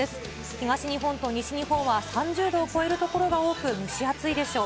東日本と西日本は３０度を超える所が多く、蒸し暑いでしょう。